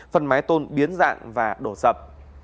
phần máy tôn biến dạng và đổ sập